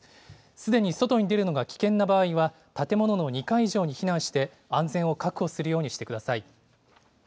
すでに外に出るのが危険な場合は、建物の２階以上に避難して、安全を確保するようにしてください。